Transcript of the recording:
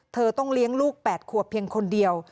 ต้องเลี้ยงลูก๘ขวบเพียงคนเดียว